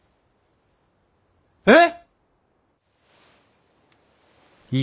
えっ！